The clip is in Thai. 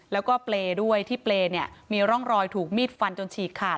แล้วก็เปรย์ด้วยที่เปรย์เนี่ยมีร่องรอยถูกมีดฟันจนฉีกขาด